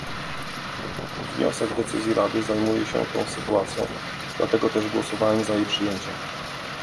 Wniosek decyzji Rady zajmuje się tą sytuacją, dlatego też głosowałem za jej przyjęciem